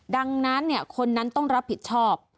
ดังนั้นคนนั้นต้องรับผิดชอบ